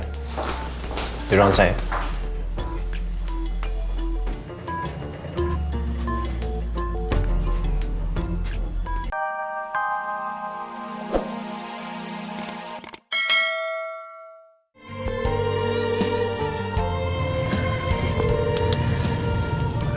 tidur langsung ya